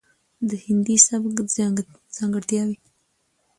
،دهندي سبک ځانګړتياوې،